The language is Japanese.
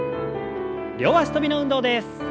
両脚跳びの運動です。